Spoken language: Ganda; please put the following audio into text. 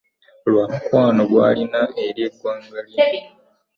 Lwa mukwano gwalina eri eggwanga lye